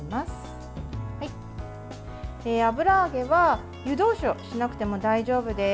油揚げは湯通しをしなくても大丈夫です。